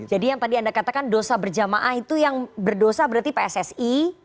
jadi yang tadi anda katakan dosa berjamaah itu yang berdosa berarti pssi